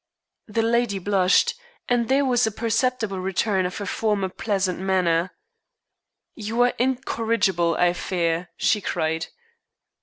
The lady blushed, and there was a perceptible return to her former pleasant manner. "You are incorrigible, I fear," she cried.